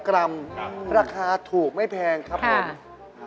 ราคาถูกไม่แพงครับผม